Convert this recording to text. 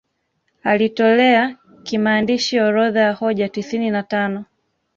Alitolea kimaandishi orodha ya hoja tisini na tano